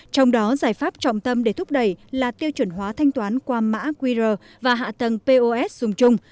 trong đó giải pháp trọng tâm để thúc đẩy là tiêu chuẩn hóa thanh toán qua mã qr và hạ tầng pos dùng chung